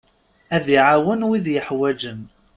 Ad iɛawen wid yeḥwaǧen.